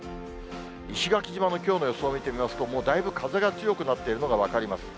石垣島のきょうの様子を見てみますと、もうだいぶ風が強くなっているのが分かります。